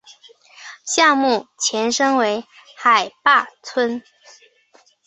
项目前身为海坝村。